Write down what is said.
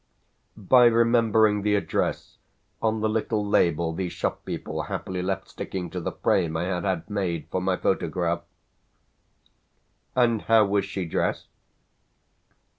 "By remembering the address on the little label the shop people happily left sticking to the frame I had had made for my photograph." "And how was she dressed?"